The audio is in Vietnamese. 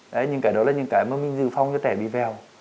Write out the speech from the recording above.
đấy những cái đó là những cái mà mình dừ phong cho trẻ bị vẹo